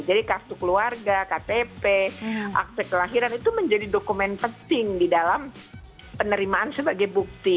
jadi kastu keluarga ktp akte kelahiran itu menjadi dokumen penting di dalam penerimaan sebagai bukti